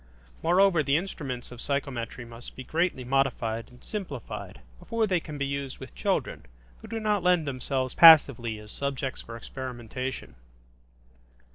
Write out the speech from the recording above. Moreover, the instruments of psychometry must be greatly modified and simplified before they can be used with children, who do not lend themselves passively as subjects for experimentation.